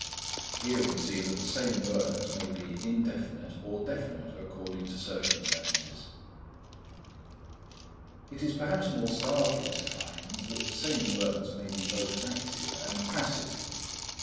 Here we see that the same words may be indefinite or definite according to circumstances. It is perhaps more startling to find that the same words may be both active and passive.